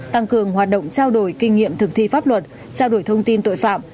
tăng cường hoạt động trao đổi kinh nghiệm thực thi pháp luật trao đổi thông tin tội phạm